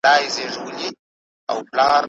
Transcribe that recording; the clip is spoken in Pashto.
پوهان د ټولنې لارښوونکي دي.